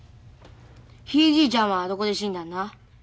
ひいじいちゃんはどこで死んだんな？